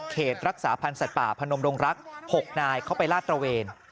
รักษาพันธ์สัตว์ป่าพนมดงรัก๖นายเข้าไปลาดตระเวน